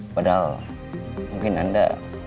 padahal mungkin anda